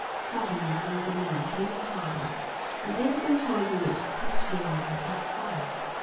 Suddenly from below came a sound, and Davidson turned and looked questioningly at his wife.